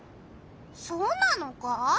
そうなのか？